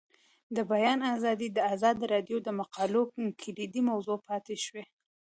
د بیان آزادي د ازادي راډیو د مقالو کلیدي موضوع پاتې شوی.